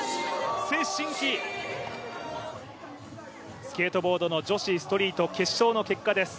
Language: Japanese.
崔宸曦、スケートボードの女子ストリート決勝の結果です。